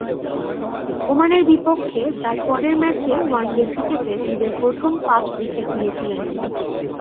ওমানের বিপক্ষে তার পরের ম্যাচে ওয়ানডে ক্রিকেটে নিজের প্রথম পাঁচ উইকেট নিয়েছিলেন তিনি।